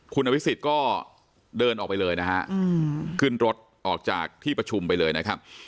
คุณอภิษฎก็เดินออกไปเลยนะฮะขึ้นรถออกจากที่ประชุมไปเลยนะครับ